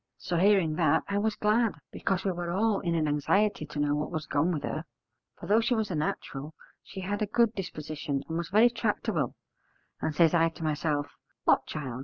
So, hearing that, I was glad, because we were all in an anxiety to know what was gone with her: for though she was a natural, she had a good disposition and was very tractable: and says I to myself, 'What, child!